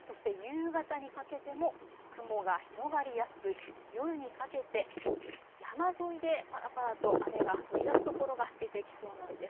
そして夕方にかけても雲が広がりやすく夜にかけて山沿いでぱらぱらと雨が降りだす所が出てきそうなんです。